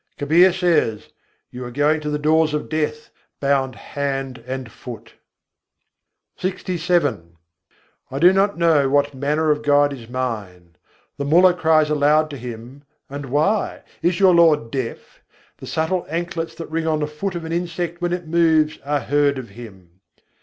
Kabîr says: "You are going to the doors of death, bound hand and foot!" LXVII I. 9. nâ jâne sâhab kaisâ hai I do not know what manner of God is mine. The Mullah cries aloud to Him: and why? Is your Lord deaf? The subtle anklets that ring on the feet of an insect when it moves are heard of Him.